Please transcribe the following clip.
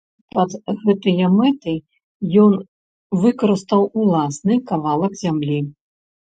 Пад гэтыя мэты ён выкарыстаў уласны кавалак зямлі.